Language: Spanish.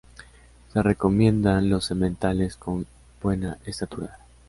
Se recomiendan los sementales con buena estatura.